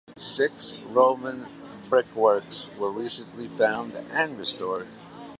Six Roman brickworks were recently found and restored.